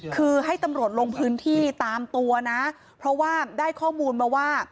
คือให้ตำรวจลงพื้นที่ตามตัวนะเพราะว่าได้ข้อมูลมาว่า